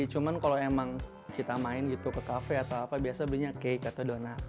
cuman kalau emang kita main gitu ke kafe atau apa biasa belinya cake atau dona